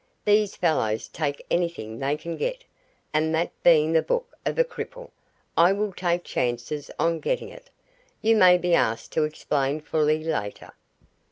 These fellows take anything they can get, and that being the book of a cripple, I will take chances on getting it. You may be asked to explain fully, later."